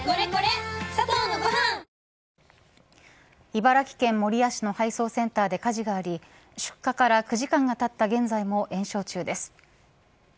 茨城県守谷市の配送センターで火事があり出火から９時間がたった現在も延焼中です。